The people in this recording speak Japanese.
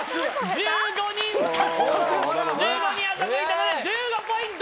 １５人欺いたので１５ポイント！